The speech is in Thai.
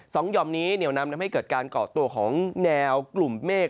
หย่อมนี้เหนียวนำทำให้เกิดการเกาะตัวของแนวกลุ่มเมฆ